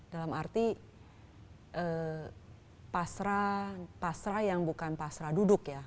dalam arti pasrah yang bukan pasrah duduk ya